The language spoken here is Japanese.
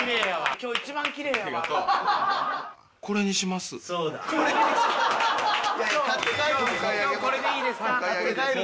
今日これでいいですか？